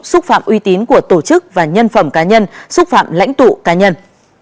xúc phạm uy tín của tổ chức và nhân phẩm cá nhân xúc phạm lãnh tụ cá nhân